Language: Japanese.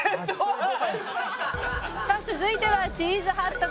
「さあ続いてはチーズハットグです」